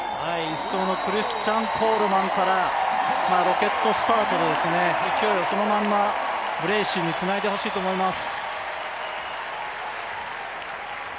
１走のクリスチャン・コールマンからロケットスタートで勢いそのままでブレーシーにつないでほしいと思います。